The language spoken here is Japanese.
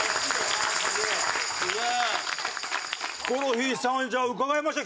ヒコロヒーさんじゃあ伺いましょう。